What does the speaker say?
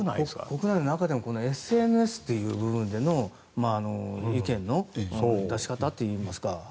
僕らの中でもＳＮＳという部分での意見の出し方というか。